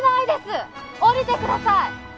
下りてください！